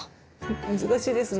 難しいですね。